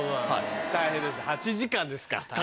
大変でした８時間ですか。